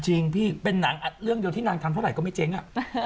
จริงพี่เป็นหนังเรื่องเดียวที่นางทำเท่าไหรก็ไม่เจ๊งอ่ะ